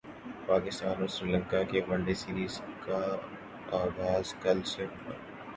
پاکستان اور سری لنکا کی one day series کا غاز کل سے ہو گا